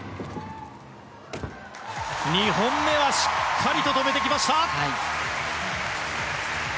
２本目はしっかりと止めてきました！